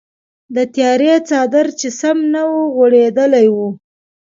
د تیارې څادر چې سم نه وغوړیدلی و.